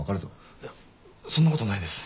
いやそんなことないです。